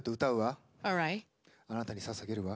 あなたにささげるわ。